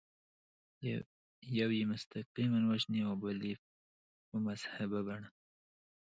یو یې مستقیماً وژني او بل یې په مهذبه بڼه.